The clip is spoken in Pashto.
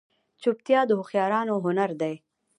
چوپتیا، د هوښیارانو هنر دی.